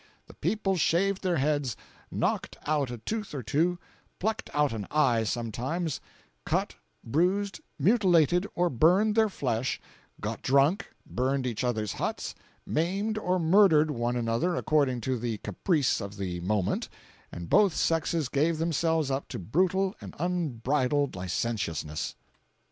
The people shaved their heads, knocked out a tooth or two, plucked out an eye sometimes, cut, bruised, mutilated or burned their flesh, got drunk, burned each other's huts, maimed or murdered one another according to the caprice of the moment, and both sexes gave themselves up to brutal and unbridled licentiousness.